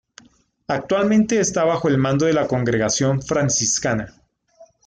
Actualmente está bajo el mando de la congregación Franciscana.